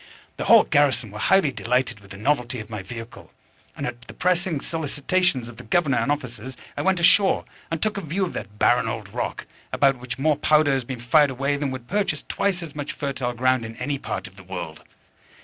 The whole garrison were highly delighted with the novelty of my vehicle; and at the pressing solicitations of the governor and officers I went ashore, and took a view of that barren old rock, about which more powder has been fired away than would purchase twice as much fertile ground in any part of the world!